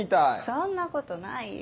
そんなことないよ。